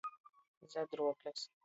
Zadruoklis.